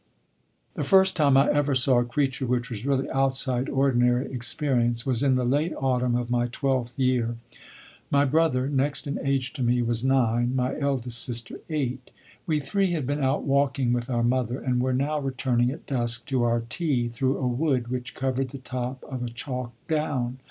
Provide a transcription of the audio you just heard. The first time I ever saw a creature which was really outside ordinary experience was in the late autumn of my twelfth year. My brother, next in age to me, was nine, my eldest sister eight. We three had been out walking with our mother, and were now returning at dusk to our tea through a wood which covered the top of a chalk down.